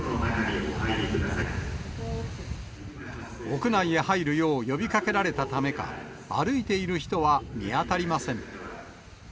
屋内へ入るよう、呼びかけられたためか、歩いている人は見当たりません。